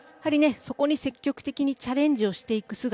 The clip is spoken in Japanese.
そこに積極的にチャレンジしていく姿。